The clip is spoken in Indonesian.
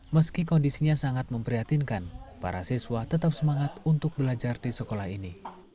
meski kondisinya sangat memprihatinkan para siswa tetap semangat untuk belajar di sekolah ini